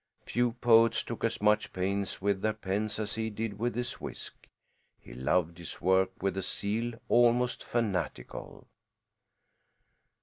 Few poets took as much pains with their pens as he did with his whisk. He loved his work with a zeal almost fanatical.